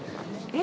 え？